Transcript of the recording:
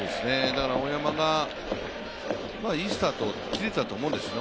大山がいいスタートを切れたと思うんですね。